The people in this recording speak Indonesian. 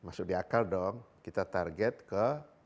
masuk di akal dong kita target ke enam puluh